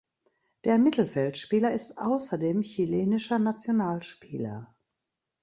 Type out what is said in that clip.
Der Mittelfeldspieler ist außerdem chilenischer Nationalspieler.